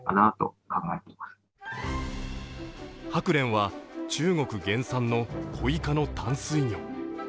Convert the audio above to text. ハクレンは中国原産のコイ科の淡水魚。